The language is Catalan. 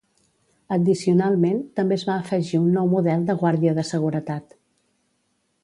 Addicionalment, també es va afegir un nou model de guàrdia de seguretat.